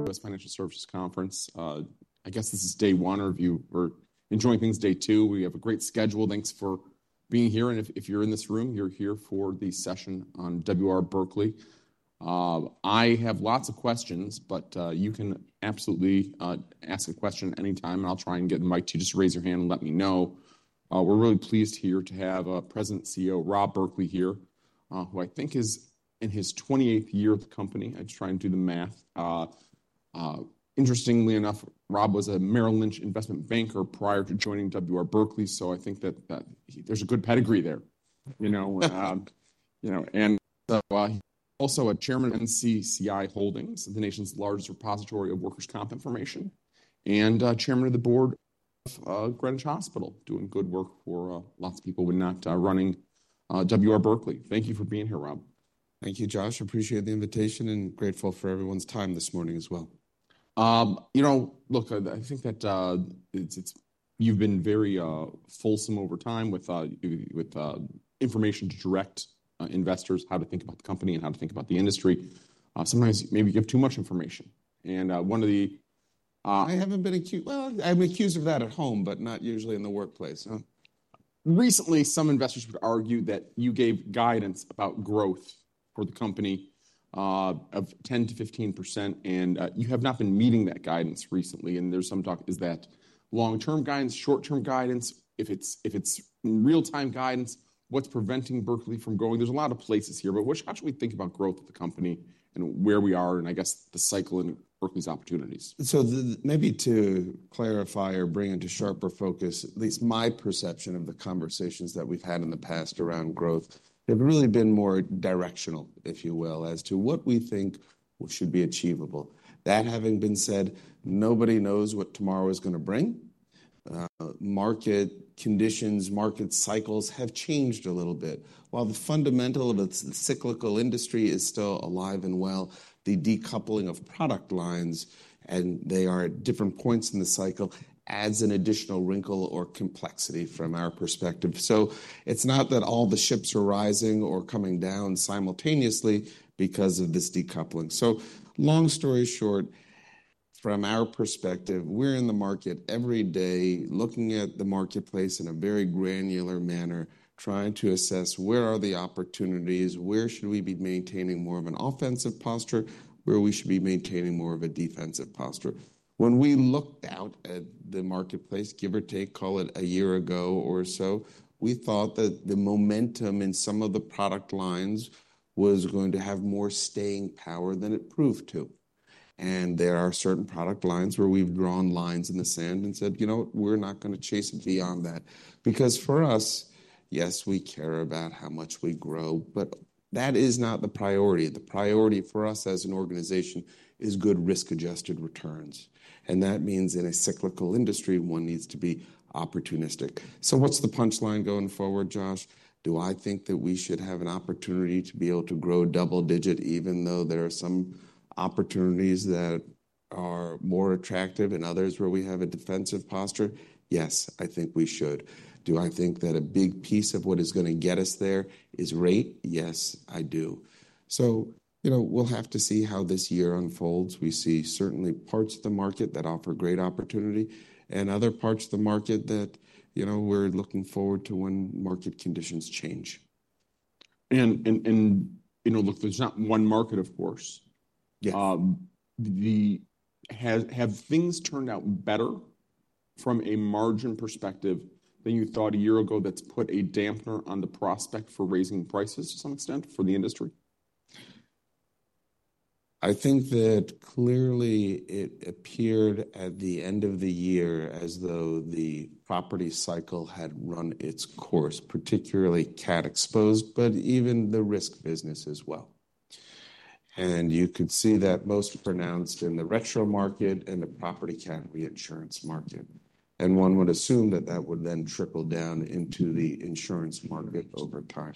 U.S. Financial Services Conference. I guess this is day one, or if you're enjoying things, day two. We have a great schedule. Thanks for being here and if you're in this room, you're here for the session on W. R. Berkley. I have lots of questions, but you can absolutely ask a question at any time, and I'll try and get the mic to you. Just raise your hand and let me know. We're really pleased here to have President and CEO Rob Berkley here, who I think is in his 28th year at the company. I was trying to do the math. Interestingly enough, Rob was a Merrill Lynch investment banker prior to joining W. R. Berkley, so I think that there's a good pedigree there. You know. And so he's also a chairman of NCCI Holdings, the nation's largest repository of workers' comp information, and chairman of the board of Greenwich Hospital, doing good work for lots of people who are not running W. R. Berkley. Thank you for being here, Rob. Thank you, Josh. Appreciate the invitation and grateful for everyone's time this morning as well. You know, look, I think that you've been very fulsome over time with information to direct investors, how to think about the company and how to think about the industry. Sometimes maybe you give too much information, and one of the. I haven't been accused. Well, I'm accused of that at home, but not usually in the workplace. Recently, some investors would argue that you gave guidance about growth for the company of 10%-15%, and you have not been meeting that guidance recently. And there's some talk: is that long-term guidance, short-term guidance? If it's real-time guidance, what's preventing Berkley from going? There's a lot of places here, but what should we think about growth of the company and where we are and, I guess, the cycle and Berkley's opportunities? So maybe to clarify or bring into sharper focus, at least my perception of the conversations that we've had in the past around growth, they've really been more directional, if you will, as to what we think should be achievable. That having been said, nobody knows what tomorrow is going to bring. Market conditions, market cycles have changed a little bit. While the fundamental of the cyclical industry is still alive and well, the decoupling of product lines, and they are at different points in the cycle, adds an additional wrinkle or complexity from our perspective. So it's not that all the ships are rising or coming down simultaneously because of this decoupling. So long story short, from our perspective, we're in the market every day looking at the marketplace in a very granular manner, trying to assess where are the opportunities, where should we be maintaining more of an offensive posture, where we should be maintaining more of a defensive posture. When we looked out at the marketplace, give or take, call it a year ago or so, we thought that the momentum in some of the product lines was going to have more staying power than it proved to. And there are certain product lines where we've drawn lines in the sand and said, you know, we're not going to chase beyond that. Because for us, yes, we care about how much we grow, but that is not the priority. The priority for us as an organization is good risk-adjusted returns. And that means in a cyclical industry, one needs to be opportunistic. So what's the punchline going forward, Josh? Do I think that we should have an opportunity to be able to grow double-digit, even though there are some opportunities that are more attractive and others where we have a defensive posture? Yes, I think we should. Do I think that a big piece of what is going to get us there is rate? Yes, I do. So, you know, we'll have to see how this year unfolds. We see certainly parts of the market that offer great opportunity and other parts of the market that, you know, we're looking forward to when market conditions change. You know, look, there's not one market, of course. Yes. Have things turned out better from a margin perspective than you thought a year ago? That's put a damper on the prospect for raising prices to some extent for the industry? I think that clearly it appeared at the end of the year as though the property cycle had run its course, particularly cat-exposed, but even the risk business as well. And you could see that most pronounced in the retro market and the property cat reinsurance market. And one would assume that that would then trickle down into the insurance market over time.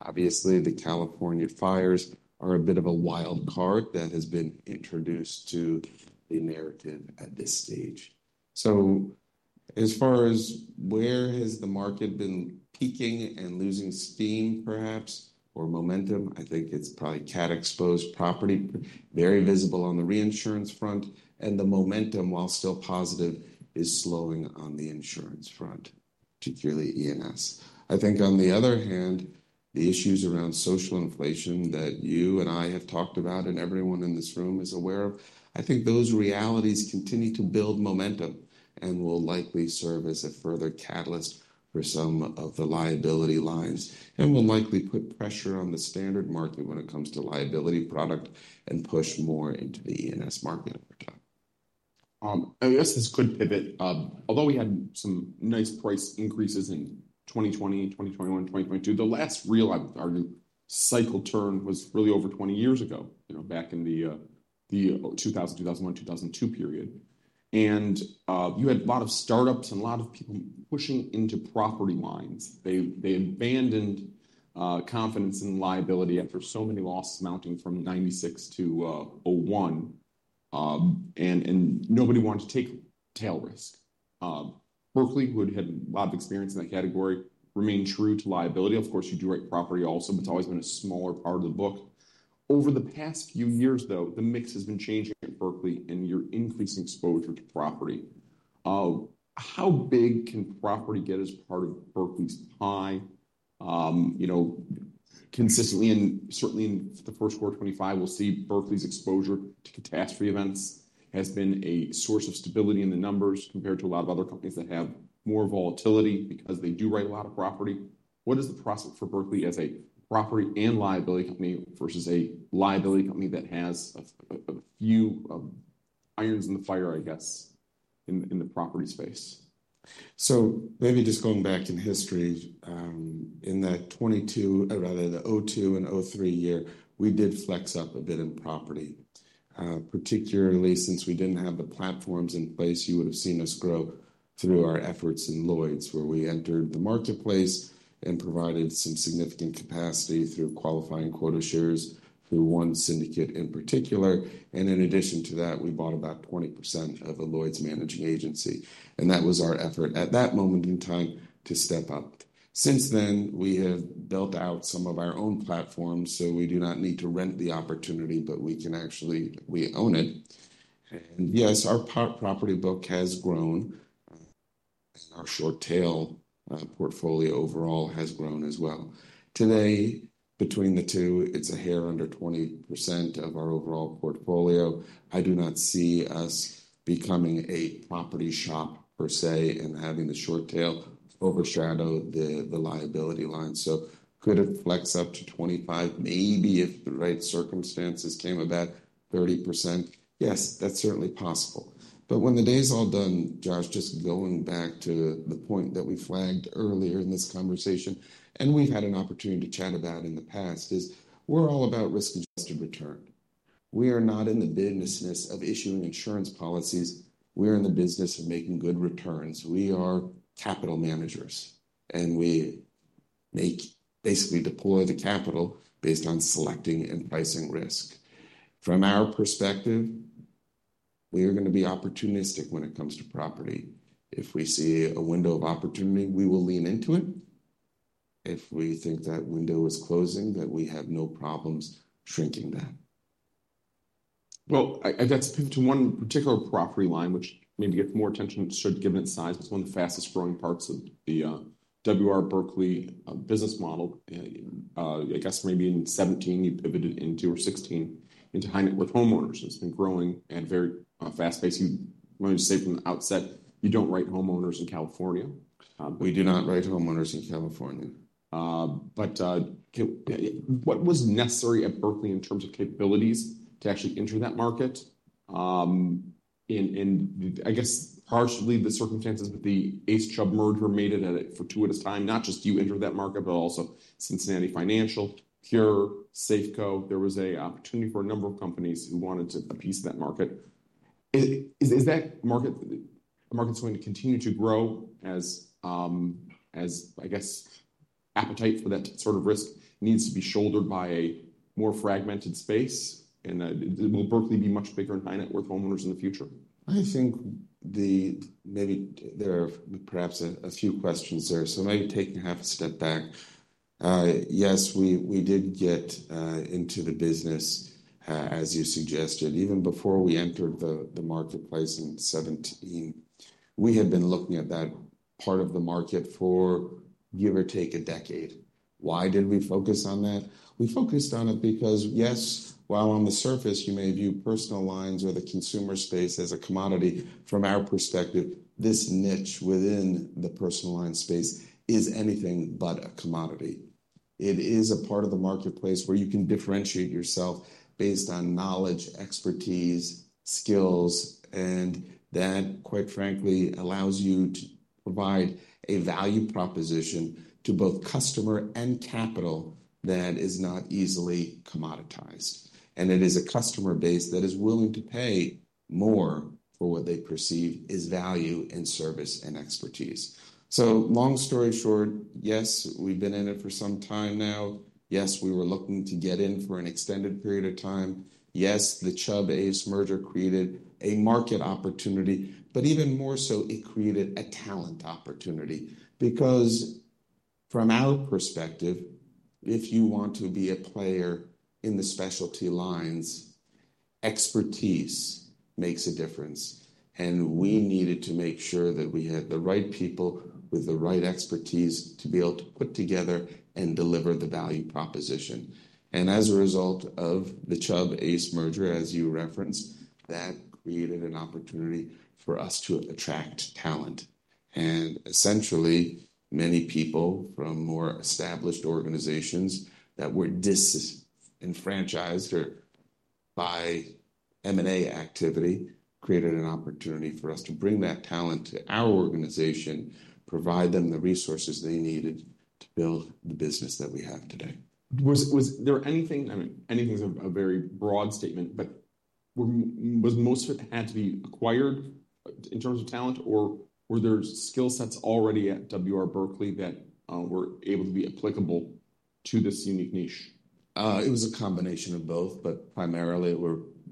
Obviously, the California fires are a bit of a wild card that has been introduced to the narrative at this stage. So as far as where has the market been peaking and losing steam, perhaps, or momentum, I think it's probably cat-exposed property, very visible on the reinsurance front. And the momentum, while still positive, is slowing on the insurance front, particularly E&S. I think on the other hand, the issues around social inflation that you and I have talked about and everyone in this room is aware of, I think those realities continue to build momentum and will likely serve as a further catalyst for some of the liability lines and will likely put pressure on the standard market when it comes to liability product and push more into the E&S market over time. I guess this could pivot. Although we had some nice price increases in 2020, 2021, 2022, the last real cycle turn was really over 20 years ago, you know, back in the 2000, 2001, 2002 period. And you had a lot of startups and a lot of people pushing into property lines. They abandoned confidence in liability after so many losses mounting from 1996 to 2001, and nobody wanted to take tail risk. Berkley, who had a lot of experience in that category, remained true to liability. Of course, you do write property also, but it's always been a smaller part of the book. Over the past few years, though, the mix has been changing at Berkley and your increasing exposure to property. How big can property get as part of Berkley's pie? You know, consistently and certainly in the first quarter of 2025, we'll see Berkley's exposure to catastrophe events has been a source of stability in the numbers compared to a lot of other companies that have more volatility because they do write a lot of property. What is the prospect for Berkley as a property and liability company versus a liability company that has a few irons in the fire, I guess, in the property space? So maybe just going back in history, in that 2022, rather the 2002 and 2003 year, we did flex up a bit in property, particularly since we didn't have the platforms in place. You would have seen us grow through our efforts in Lloyd's, where we entered the marketplace and provided some significant capacity through qualifying quota shares through one syndicate in particular. And in addition to that, we bought about 20% of a Lloyd's managing agency. And that was our effort at that moment in time to step up. Since then, we have built out some of our own platforms, so we do not need to rent the opportunity, but we can actually, we own it. And yes, our property book has grown and our short tail portfolio overall has grown as well. Today, between the two, it's a hair under 20% of our overall portfolio. I do not see us becoming a property shop per se and having the short tail overshadow the liability line. So could it flex up to 25%, maybe if the right circumstances came about, 30%? Yes, that's certainly possible. But when the day's all done, Josh, just going back to the point that we flagged earlier in this conversation, and we've had an opportunity to chat about in the past, is we're all about risk-adjusted return. We are not in the business of issuing insurance policies. We are in the business of making good returns. We are capital managers, and we basically deploy the capital based on selecting and pricing risk. From our perspective, we are going to be opportunistic when it comes to property. If we see a window of opportunity, we will lean into it. If we think that window is closing, that we have no problems shrinking that. Let's pivot to one particular property line, which maybe gets more attention than it should given its size. It's one of the fastest growing parts of the W. R. Berkley business model. I guess maybe in 2017 or 2016, you pivoted into high net worth homeowners. It's been growing at a very fast pace. You want to say from the outset, you don't write homeowners in California. We do not write homeowners in California. But what was necessary at Berkley in terms of capabilities to actually enter that market? And I guess partially the circumstances, but the ACE Chubb merger made it fortuitous at a time, not just you entered that market, but also Cincinnati Financial, PURE, Safeco. There was an opportunity for a number of companies who wanted to a piece that market. Is that market going to continue to grow as, I guess, appetite for that sort of risk needs to be shouldered by a more fragmented space? And will Berkley be much bigger in high net worth homeowners in the future? I think maybe there are perhaps a few questions there. So maybe taking a half a step back, yes, we did get into the business, as you suggested, even before we entered the marketplace in 2017. We had been looking at that part of the market for, give or take, a decade. Why did we focus on that? We focused on it because, yes, while on the surface, you may view personal lines or the consumer space as a commodity, from our perspective, this niche within the personal line space is anything but a commodity. It is a part of the marketplace where you can differentiate yourself based on knowledge, expertise, skills, and that, quite frankly, allows you to provide a value proposition to both customer and capital that is not easily commoditized. And it is a customer base that is willing to pay more for what they perceive is value and service and expertise. So long story short, yes, we've been in it for some time now. Yes, we were looking to get in for an extended period of time. Yes, the Chubb-ACE merger created a market opportunity, but even more so, it created a talent opportunity. Because from our perspective, if you want to be a player in the specialty lines, expertise makes a difference. And we needed to make sure that we had the right people with the right expertise to be able to put together and deliver the value proposition. And as a result of the Chubb-ACE merger, as you referenced, that created an opportunity for us to attract talent. Essentially, many people from more established organizations that were disenfranchised by M&A activity created an opportunity for us to bring that talent to our organization, provide them the resources they needed to build the business that we have today. Was there anything, I mean, anything's a very broad statement, but was most of it had to be acquired in terms of talent, or were there skill sets already at W. R. Berkley that were able to be applicable to this unique niche? It was a combination of both, but primarily, it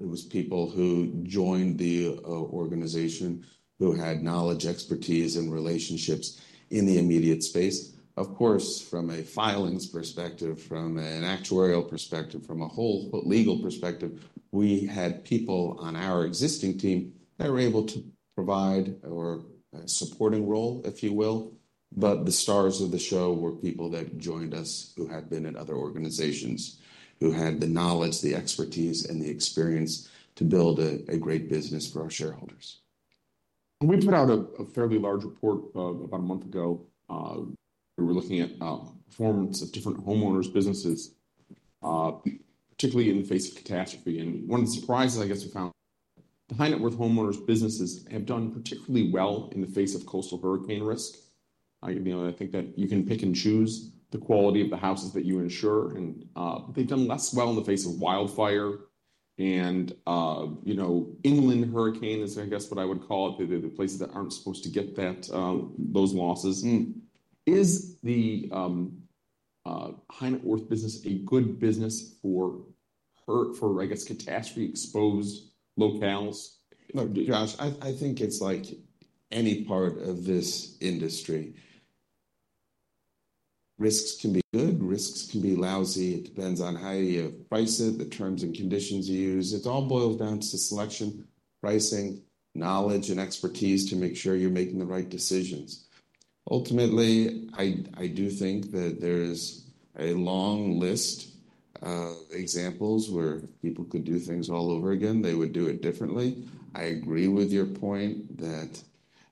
was people who joined the organization who had knowledge, expertise, and relationships in the immediate space. Of course, from a filings perspective, from an actuarial perspective, from a whole legal perspective, we had people on our existing team that were able to provide a supporting role, if you will. But the stars of the show were people that joined us who had been at other organizations, who had the knowledge, the expertise, and the experience to build a great business for our shareholders. We put out a fairly large report about a month ago. We were looking at performance of different homeowners' businesses, particularly in the face of catastrophe, and one of the surprises, I guess, we found high net worth homeowners' businesses have done particularly well in the face of coastal hurricane risk. You know, I think that you can pick and choose the quality of the houses that you insure, and they've done less well in the face of wildfire, and, you know, inland hurricane is, I guess, what I would call it, the places that aren't supposed to get those losses. Is the high net worth business a good business for, I guess, catastrophe-exposed locales? Josh, I think it's like any part of this industry. Risks can be good. Risks can be lousy. It depends on how you price it, the terms and conditions you use. It all boils down to selection, pricing, knowledge, and expertise to make sure you're making the right decisions. Ultimately, I do think that there is a long list of examples where people could do things all over again. They would do it differently. I agree with your point that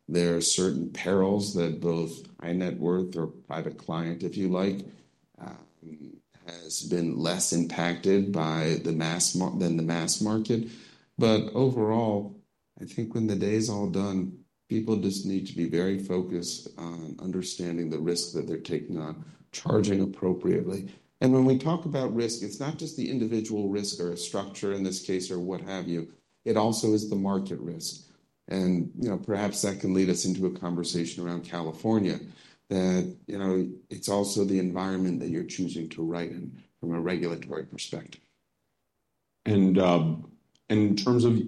there are certain perils that both high net worth or private client, if you like, has been less impacted by than the mass market. But overall, I think when the day's all done, people just need to be very focused on understanding the risk that they're taking on, charging appropriately. And when we talk about risk, it's not just the individual risk or a structure in this case or what have you. It also is the market risk. And, you know, perhaps that can lead us into a conversation around California that, you know, it's also the environment that you're choosing to write in from a regulatory perspective. In terms of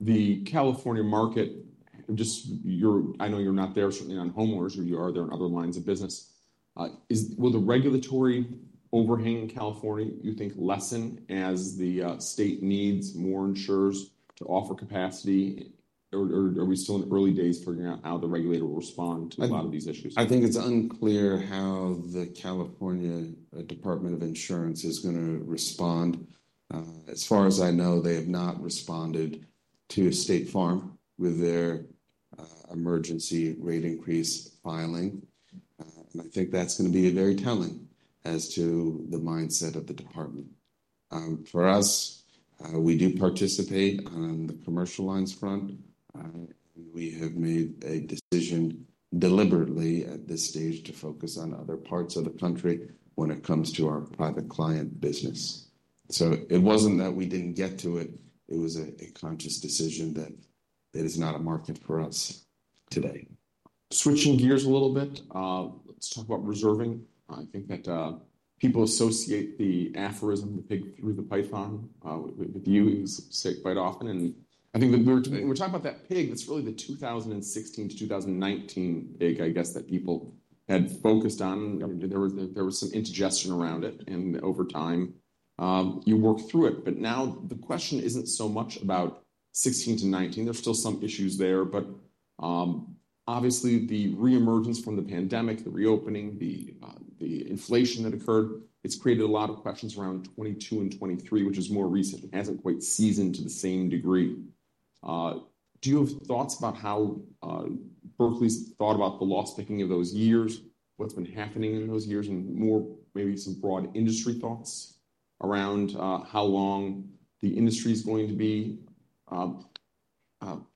the California market, just your, I know you're not there certainly on homeowners, or you are there on other lines of business. Will the regulatory overhang in California, you think, lessen as the state needs more insurers to offer capacity, or are we still in the early days figuring out how the regulator will respond to a lot of these issues? I think it's unclear how the California Department of Insurance is going to respond. As far as I know, they have not responded to State Farm with their emergency rate increase filing. And I think that's going to be very telling as to the mindset of the department. For us, we do participate on the commercial lines front. We have made a decision deliberately at this stage to focus on other parts of the country when it comes to our private client business. So it wasn't that we didn't get to it. It was a conscious decision that it is not a market for us today. Switching gears a little bit, let's talk about reserving. I think that people associate the aphorism, the pig through the python, with you quite often. I think that we were talking about that pig. That's really the 2016-2019 pig, I guess, that people had focused on. There was some indigestion around it, and over time, you worked through it. Now the question isn't so much about 2016-2019. There's still some issues there. But obviously, the reemergence from the pandemic, the reopening, the inflation that occurred, it's created a lot of questions around 2022 and 2023, which is more recent. It hasn't quite seasoned to the same degree. Do you have thoughts about how Berkley's thought about the loss picking of those years, what's been happening in those years, and more maybe some broad industry thoughts around how long the industry is going to be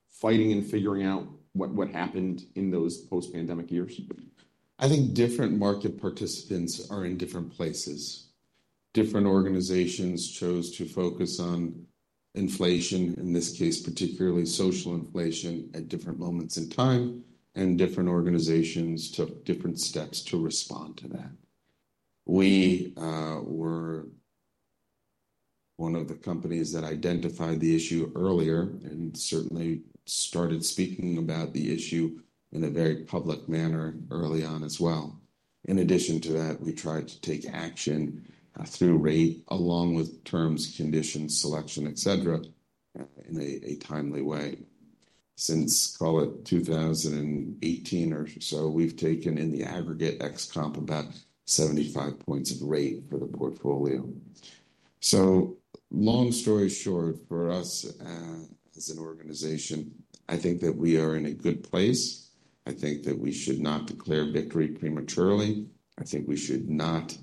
fighting and figuring out what happened in those post-pandemic years? I think different market participants are in different places. Different organizations chose to focus on inflation, in this case, particularly social inflation at different moments in time, and different organizations took different steps to respond to that. We were one of the companies that identified the issue earlier and certainly started speaking about the issue in a very public manner early on as well. In addition to that, we tried to take action through rate, along with terms, conditions, selection, et cetera, in a timely way. Since, call it 2018 or so, we've taken in the aggregate ex comp about 75 points of rate for the portfolio. So long story short, for us as an organization, I think that we are in a good place. I think that we should not declare victory prematurely. I think we should not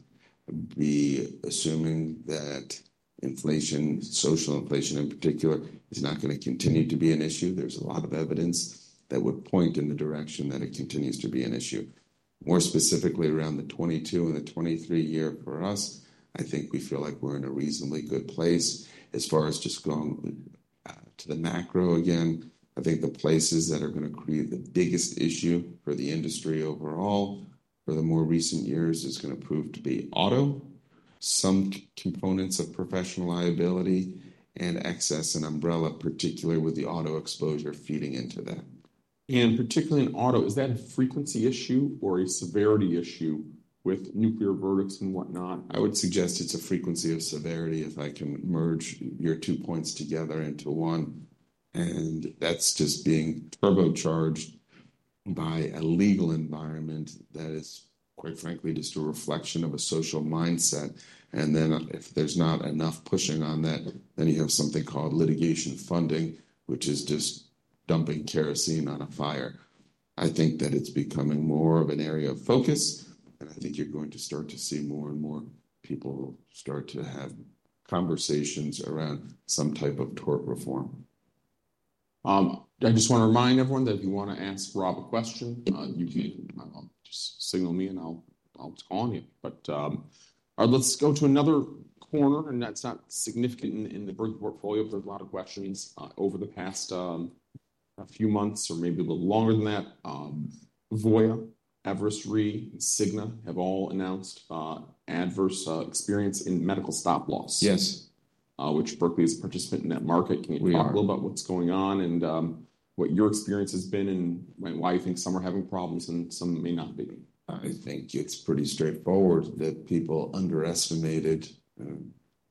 be assuming that inflation, social inflation in particular, is not going to continue to be an issue. There's a lot of evidence that would point in the direction that it continues to be an issue. More specifically, around the 2022 and the 2023 year for us, I think we feel like we're in a reasonably good place. As far as just going to the macro again, I think the places that are going to create the biggest issue for the industry overall for the more recent years is going to prove to be auto, some components of professional liability, and excess and umbrella, particularly with the auto exposure feeding into that. Particularly in auto, is that a frequency issue or a severity issue with nuclear verdicts and whatnot? I would suggest it's a frequency of severity if I can merge your two points together into one. And that's just being turbocharged by a legal environment that is, quite frankly, just a reflection of a social mindset. And then if there's not enough pushing on that, then you have something called litigation funding, which is just dumping kerosene on a fire. I think that it's becoming more of an area of focus. And I think you're going to start to see more and more people start to have conversations around some type of tort reform. I just want to remind everyone that if you want to ask Rob a question, you can just signal me and I'll call on you. But let's go to another corner, and that's not significant in the Berkley portfolio, but there's a lot of questions over the past few months or maybe a little longer than that. Voya, Everest Re, and Cigna have all announced adverse experience in medical stop loss. Yes. R. Berkley is a participant in that market. Can you talk a little about what's going on and what your experience has been and why you think some are having problems and some may not be? I think it's pretty straightforward that people underestimated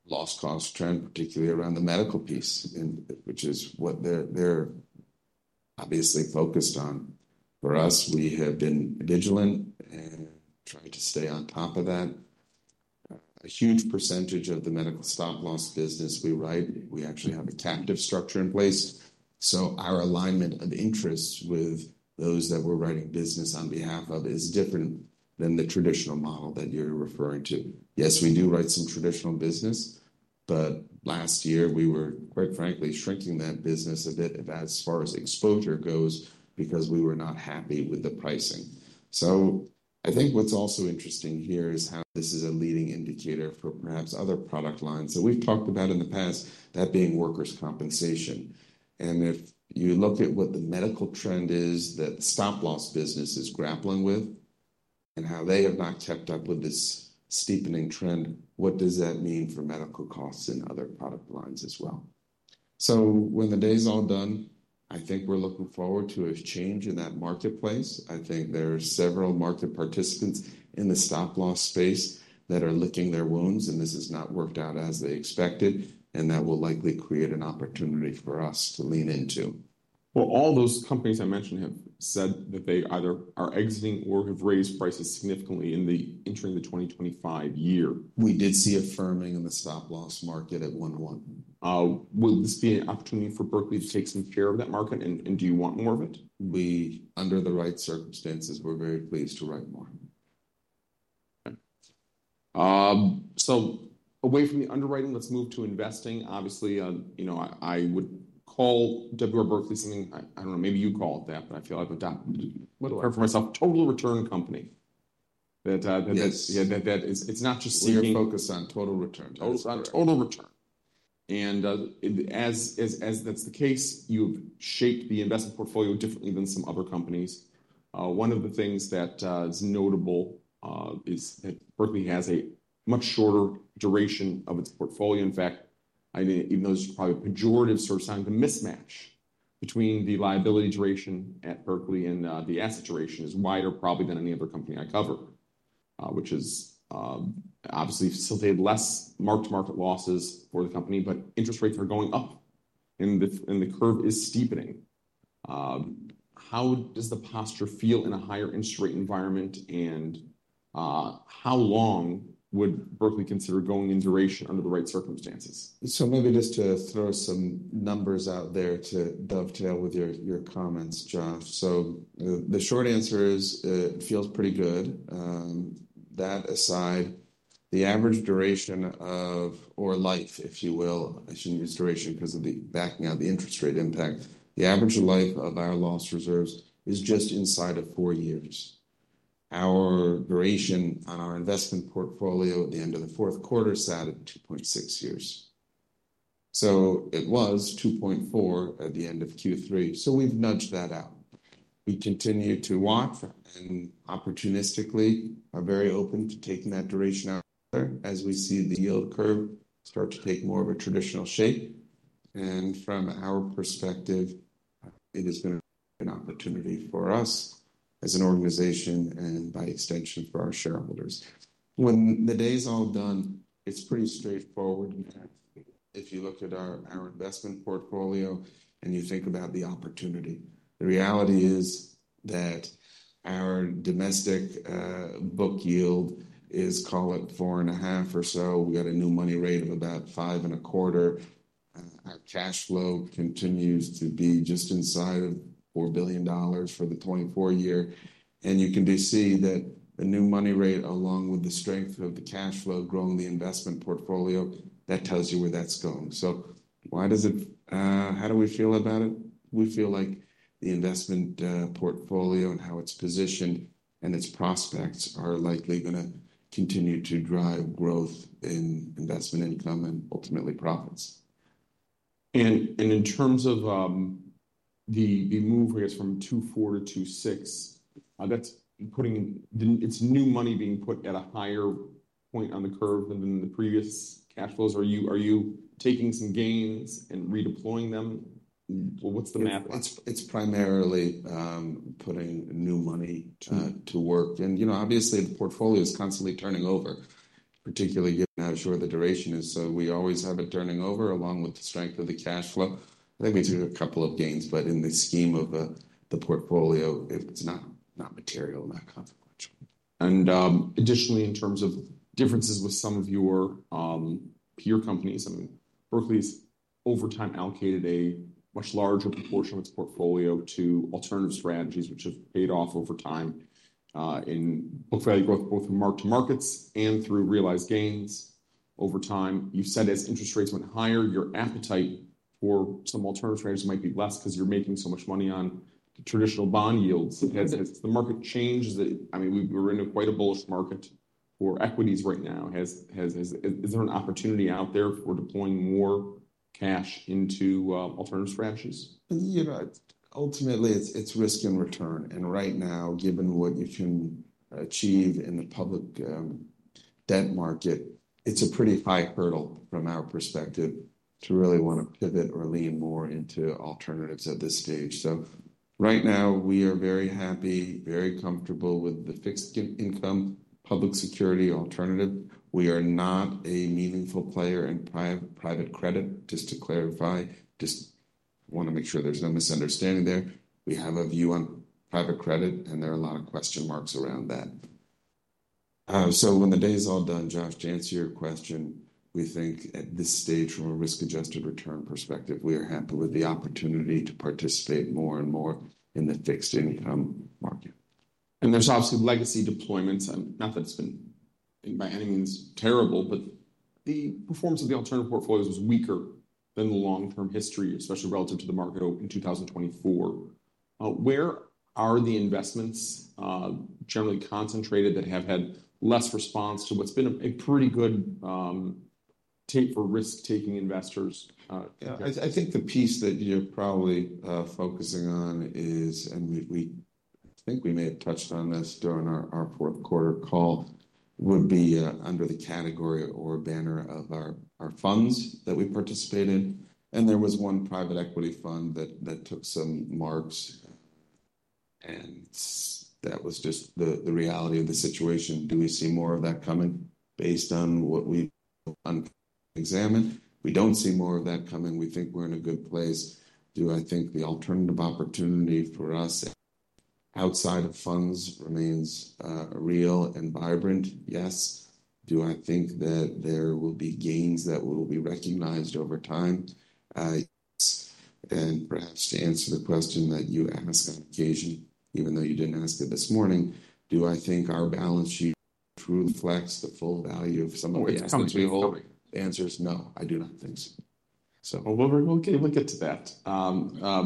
loss cost trend, particularly around the medical piece, which is what they're obviously focused on. For us, we have been vigilant and trying to stay on top of that. A huge percentage of the medical stop loss business we write, we actually have a captive structure in place. So our alignment of interests with those that we're writing business on behalf of is different than the traditional model that you're referring to. Yes, we do write some traditional business, but last year, we were, quite frankly, shrinking that business a bit as far as exposure goes because we were not happy with the pricing. So I think what's also interesting here is how this is a leading indicator for perhaps other product lines. So we've talked about in the past that being workers' compensation. And if you look at what the medical trend is that stop loss business is grappling with and how they have not kept up with this steepening trend, what does that mean for medical costs and other product lines as well? So when the day's all done, I think we're looking forward to a change in that marketplace. I think there are several market participants in the stop loss space that are licking their wounds, and this has not worked out as they expected, and that will likely create an opportunity for us to lean into. All those companies I mentioned have said that they either are exiting or have raised prices significantly in entering the 2025 year. We did see a firming in the stop loss market at one point. Will this be an opportunity for Berkley to take some care of that market, and do you want more of it? Under the right circumstances, we're very pleased to write more. Okay. So away from the underwriting, let's move to investing. Obviously, you know, I would call W. R. Berkley something, I don't know, maybe you call it that, but I feel I've heard for myself, total return company. That it's not just. We focus on total return. Total return, and as that's the case, you've shaped the investment portfolio differently than some other companies. One of the things that is notable is that Berkley has a much shorter duration of its portfolio. In fact, I think even though this is probably a pejorative sort of sign, the mismatch between the liability duration at Berkley and the asset duration is wider probably than any other company I cover, which has obviously facilitated less mark-to-market losses for the company, but interest rates are going up and the curve is steepening. How does the portfolio feel in a higher interest rate environment, and how long would Berkley consider going in duration under the right circumstances? So maybe just to throw some numbers out there to dovetail with your comments, Josh. So the short answer is it feels pretty good. That aside, the average duration of, or life, if you will, I shouldn't use duration because of the backing out of the interest rate impact, the average life of our loss reserves is just inside of four years. Our duration on our investment portfolio at the end of the fourth quarter sat at 2.6 years. So it was 2.4 at the end of Q3. So we've nudged that out. We continue to watch and opportunistically are very open to taking that duration out as we see the yield curve start to take more of a traditional shape. And from our perspective, it has been an opportunity for us as an organization and by extension for our shareholders. When the day's all done, it's pretty straightforward. If you look at our investment portfolio and you think about the opportunity, the reality is that our domestic book yield is, call it 4.5% or so. We got a new money rate of about 5.25%. Our cash flow continues to be just inside of $4 billion for the 2024 year. And you can see that the new money rate, along with the strength of the cash flow growing the investment portfolio, that tells you where that's going. So why does it, how do we feel about it? We feel like the investment portfolio and how it's positioned and its prospects are likely going to continue to drive growth in investment income and ultimately profits. In terms of the move where it's from 2.4-2.6, that's putting its new money being put at a higher point on the curve than the previous cash flows. Are you taking some gains and redeploying them? What's the math? It's primarily putting new money to work, and, you know, obviously, the portfolio is constantly turning over, particularly getting out of short-duration is, so we always have it turning over along with the strength of the cash flow. I think we took a couple of gains, but in the scheme of the portfolio, it's not material, not consequential. Additionally, in terms of differences with some of your peer companies, I mean, Berkley's over time allocated a much larger proportion of its portfolio to alternative strategies, which have paid off over time in book value growth, both from mark-to-markets and through realized gains over time. You said as interest rates went higher, your appetite for some alternative strategies might be less because you're making so much money on traditional bond yields. Has the market changed? I mean, we're in quite a bullish market for equities right now. Is there an opportunity out there for deploying more cash into alternative strategies? You know, ultimately, it's risk and return, and right now, given what you can achieve in the public debt market, it's a pretty high hurdle from our perspective to really want to pivot or lean more into alternatives at this stage, so right now, we are very happy, very comfortable with the fixed income public security alternative. We are not a meaningful player in private credit, just to clarify, just want to make sure there's no misunderstanding there. We have a view on private credit, and there are a lot of question marks around that, so when the day's all done, Josh, to answer your question, we think at this stage, from a risk-adjusted return perspective, we are happy with the opportunity to participate more and more in the fixed income market. There's obviously legacy deployments. Not that it's been by any means terrible, but the performance of the alternative portfolios is weaker than the long-term history, especially relative to the market in 2024. Where are the investments generally concentrated that have had less response to what's been a pretty good take for risk-taking investors? I think the piece that you're probably focusing on is, and I think we may have touched on this during our fourth quarter call, would be under the category or banner of our funds that we participated. And there was one private equity fund that took some marks, and that was just the reality of the situation. Do we see more of that coming based on what we examined? We don't see more of that coming. We think we're in a good place. Do I think the alternative opportunity for us outside of funds remains real and vibrant? Yes. Do I think that there will be gains that will be recognized over time? Yes. Perhaps to answer the question that you asked on occasion, even though you didn't ask it this morning, do I think our balance sheet truly reflects the full value of some of the companies we hold? The answer is no, I do not think so. We'll get to that. I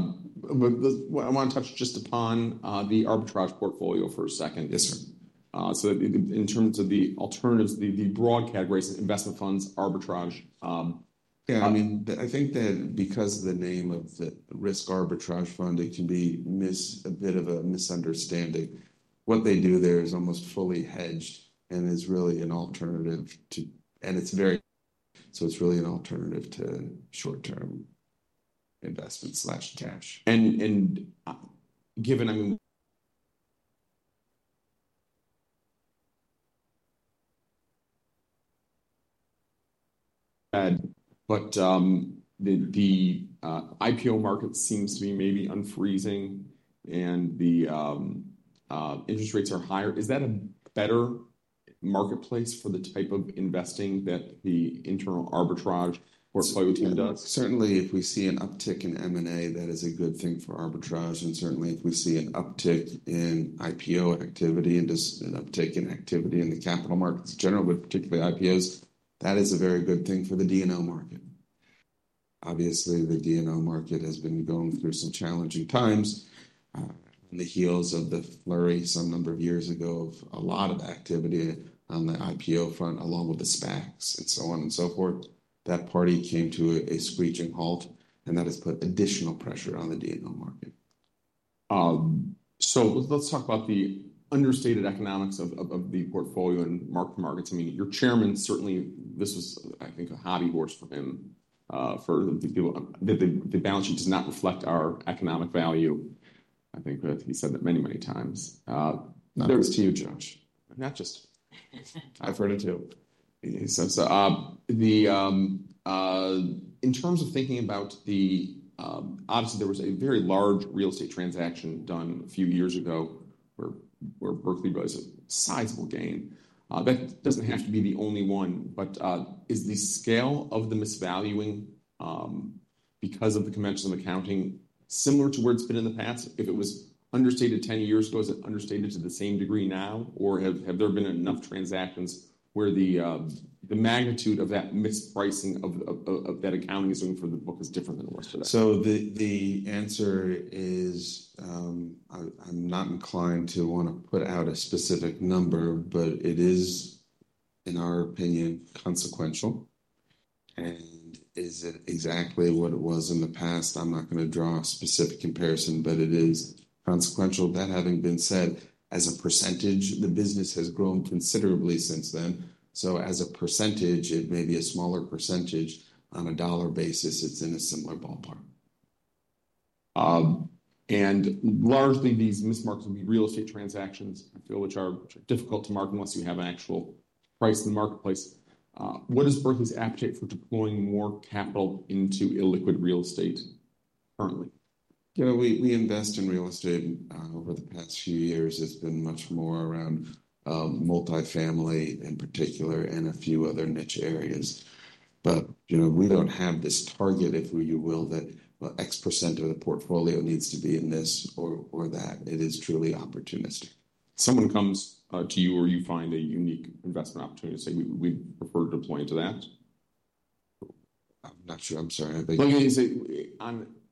want to touch just upon the arbitrage portfolio for a second. Yes, sir. So in terms of the alternatives, the broad categories, investment funds, arbitrage. Yeah. I mean, I think that because of the name of the risk arbitrage fund, it can be a bit of a misunderstanding. What they do there is almost fully hedged and is really an alternative to short-term investments or cash. So it's really an alternative to short-term investments or cash. And given, I mean. But the IPO market seems to be maybe unfreezing and the interest rates are higher. Is that a better marketplace for the type of investing that the internal arbitrage portfolio team does? Certainly, if we see an uptick in M&A, that is a good thing for arbitrage. And certainly, if we see an uptick in IPO activity and just an uptick in activity in the capital markets in general, but particularly IPOs, that is a very good thing for the D&O market. Obviously, the D&O market has been going through some challenging times on the heels of the flurry some number of years ago of a lot of activity on the IPO front, along with the SPACs and so on and so forth. That party came to a screeching halt, and that has put additional pressure on the D&O market. So let's talk about the understated economics of the portfolio and mark-to-market. I mean, your chairman, certainly, this was, I think, a hobby horse for him for the people that the balance sheet does not reflect our economic value. I think he said that many, many times. There was to you, Josh. Not just. I've heard it too. In terms of thinking about the, obviously, there was a very large real estate transaction done a few years ago where Berkley was a sizable gain. That doesn't have to be the only one, but is the scale of the misvaluing because of the conventions of accounting similar to where it's been in the past? If it was understated 10 years ago, is it understated to the same degree now? Or have there been enough transactions where the magnitude of that mispricing of that accounting is doing for the book is different than it was today? The answer is I'm not inclined to want to put out a specific number, but it is, in our opinion, consequential. Is it exactly what it was in the past? I'm not going to draw a specific comparison, but it is consequential. That having been said, as a percentage, the business has grown considerably since then. As a percentage, it may be a smaller percentage on a dollar basis. It's in a similar ballpark. Largely, these mis-marks would be real estate transactions, I feel, which are difficult to mark unless you have an actual price in the marketplace. What is Berkley's appetite for deploying more capital into illiquid real estate currently? You know, we invest in real estate over the past few years. It's been much more around multifamily in particular and a few other niche areas. But, you know, we don't have this target, if you will, that X% of the portfolio needs to be in this or that. It is truly opportunistic. Someone comes to you or you find a unique investment opportunity to say, "We prefer to deploy into that"? I'm not sure. I'm sorry. Like, just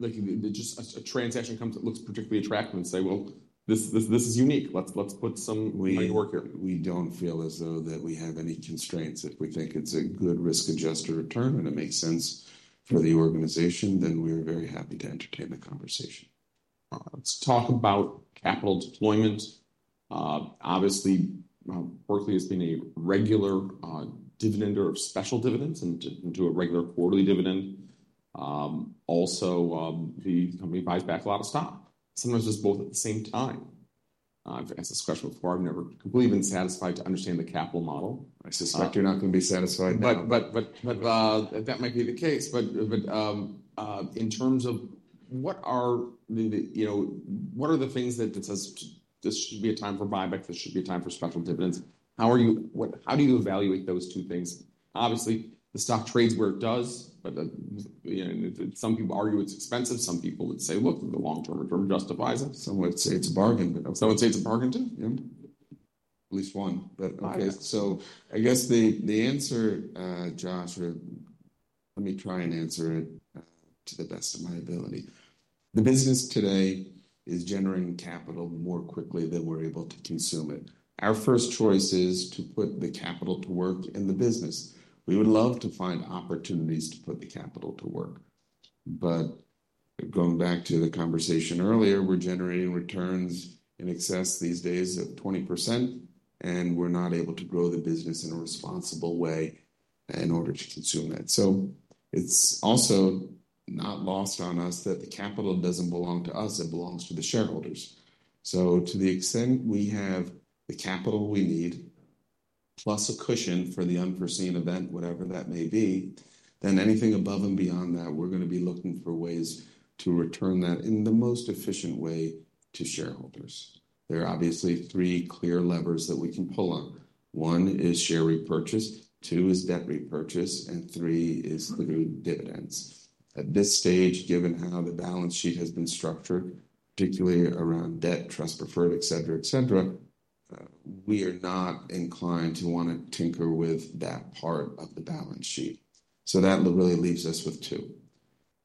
a transaction comes that looks particularly attractive and say, "Well, this is unique. Let's put some money to work here. We don't feel as though that we have any constraints. If we think it's a good risk-adjusted return and it makes sense for the organization, then we are very happy to entertain the conversation. Let's talk about capital deployment. Obviously, Berkley has been a regular payer of special dividends and do a regular quarterly dividend. Also, the company buys back a lot of stock, sometimes just both at the same time. As a specialist, I've never completely been satisfied to understand the capital model. I suspect you're not going to be satisfied. But that might be the case. But in terms of what are the, you know, what are the things that this should be a time for buybacks, this should be a time for special dividends? How do you evaluate those two things? Obviously, the stock trades where it does, but some people argue it's expensive. Some people would say, "Look, the long-term return justifies it. Some would say it's a bargain. Some would say it's a bargain too? At least one. So I guess the answer, Josh, let me try and answer it to the best of my ability. The business today is generating capital more quickly than we're able to consume it. Our first choice is to put the capital to work in the business. We would love to find opportunities to put the capital to work. But going back to the conversation earlier, we're generating returns in excess these days of 20%, and we're not able to grow the business in a responsible way in order to consume that. So it's also not lost on us that the capital doesn't belong to us. It belongs to the shareholders. So to the extent we have the capital we need, plus a cushion for the unforeseen event, whatever that may be, then anything above and beyond that, we're going to be looking for ways to return that in the most efficient way to shareholders. There are obviously three clear levers that we can pull on. One is share repurchase, two is debt repurchase, and three is through dividends. At this stage, given how the balance sheet has been structured, particularly around debt, trust preferred, et cetera, et cetera, we are not inclined to want to tinker with that part of the balance sheet. So that really leaves us with two.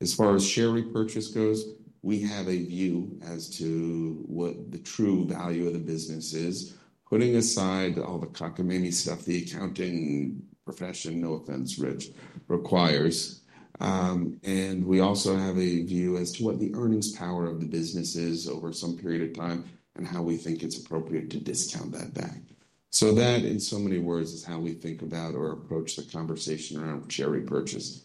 As far as share repurchase goes, we have a view as to what the true value of the business is, putting aside all the cockamamie stuff the accounting profession, no offense, Rich, requires. And we also have a view as to what the earnings power of the business is over some period of time and how we think it's appropriate to discount that back. So that, in so many words, is how we think about or approach the conversation around share repurchase.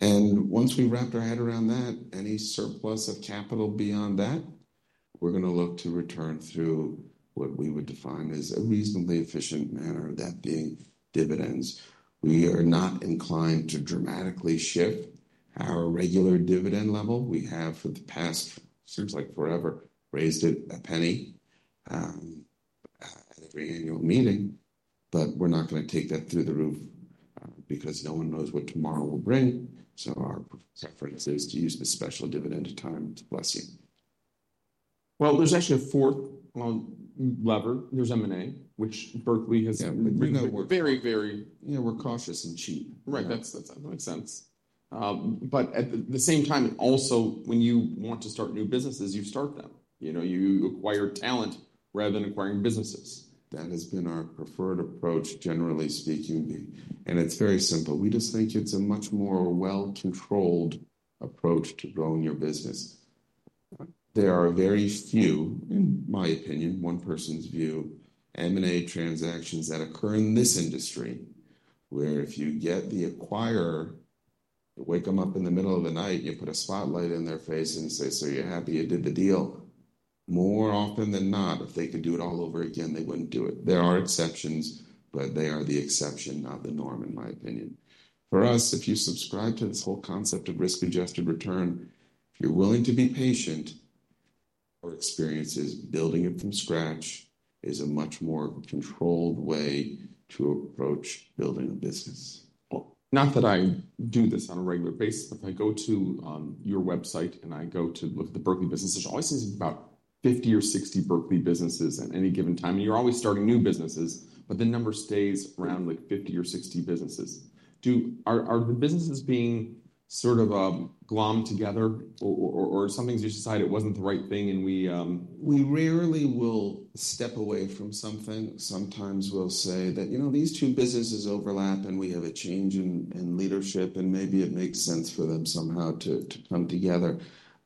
And once we wrap our head around that, any surplus of capital beyond that, we're going to look to return through what we would define as a reasonably efficient manner, that being dividends. We are not inclined to dramatically shift our regular dividend level. We have for the past, seems like forever, raised it a penny at every annual meeting, but we're not going to take that through the roof because no one knows what tomorrow will bring. So our preference is to use the special dividend time to bless you. There's actually a fourth lever. There's M&A, which Berkley has been very, very. You know, we're cautious and cheap. Right. That makes sense. But at the same time, also, when you want to start new businesses, you start them. You know, you acquire talent rather than acquiring businesses. That has been our preferred approach, generally speaking, and it's very simple. We just think it's a much more well-controlled approach to growing your business. There are very few, in my opinion, one person's view, M&A transactions that occur in this industry where if you get the acquirer, you wake them up in the middle of the night, you put a spotlight in their face and say, "So you're happy you did the deal?" More often than not, if they could do it all over again, they wouldn't do it. There are exceptions, but they are the exception, not the norm, in my opinion. For us, if you subscribe to this whole concept of risk-adjusted return, if you're willing to be patient, our experience is building it from scratch is a much more controlled way to approach building a business. Not that I do this on a regular basis, but if I go to your website and I go to look at the Berkley business, there's always about 50 or 60 Berkley businesses at any given time, and you're always starting new businesses, but the number stays around like 50 or 60 businesses. Are the businesses being sort of glommed together or something's you decide it wasn't the right thing and we. We rarely will step away from something. Sometimes we'll say that, you know, these two businesses overlap and we have a change in leadership, and maybe it makes sense for them somehow to come together.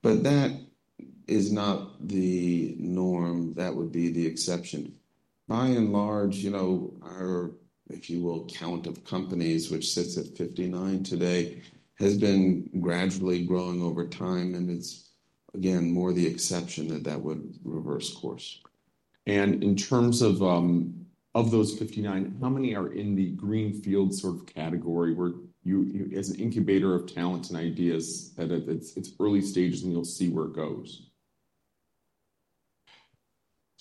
But that is not the norm. That would be the exception. By and large, you know, our, if you will, count of companies, which sits at 59 today, has been gradually growing over time, and it's, again, more the exception that that would reverse course. In terms of those 59, how many are in the greenfield sort of category where you, as an incubator of talents and ideas, at its early stages and you'll see where it goes?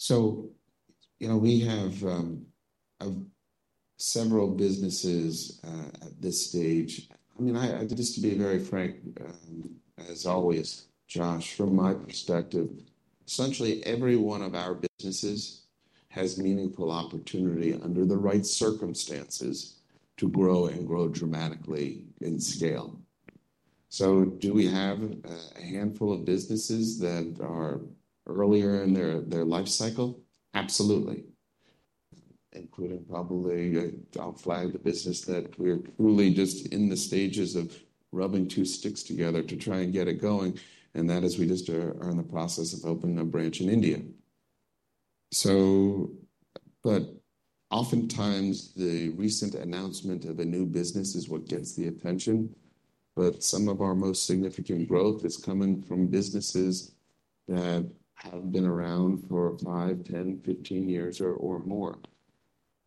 So, you know, we have several businesses at this stage. I mean, I just to be very frank, as always, Josh, from my perspective, essentially every one of our businesses has meaningful opportunity under the right circumstances to grow and grow dramatically in scale. So do we have a handful of businesses that are earlier in their life cycle? Absolutely. Including probably I'll flag the business that we're truly just in the stages of rubbing two sticks together to try and get it going. And that is we just are in the process of opening a branch in India. But oftentimes the recent announcement of a new business is what gets the attention. But some of our most significant growth is coming from businesses that have been around for five, 10, 15 years or more.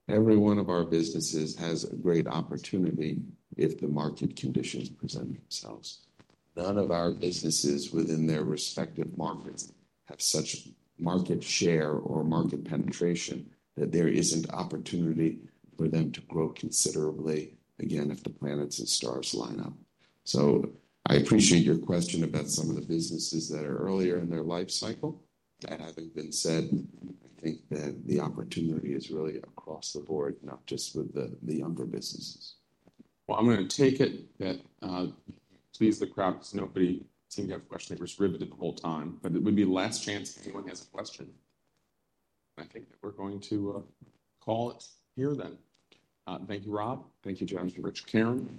Every one of our businesses has a great opportunity if the market conditions present themselves. None of our businesses within their respective markets have such market share or market penetration that there isn't opportunity for them to grow considerably again if the planets and stars line up. So I appreciate your question about some of the businesses that are earlier in their life cycle. That having been said, I think that the opportunity is really across the board, not just with the younger businesses. I'm going to take it to please the crowd because nobody seemed to have a question. They were scribbling the whole time, but it would be the last chance if anyone has a question. I think that we're going to call it here then. Thank you, Rob. Thank you, Josh. Richard, Karen